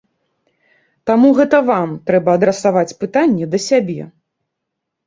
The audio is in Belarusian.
Таму гэта вам трэба адрасаваць пытанне да сябе.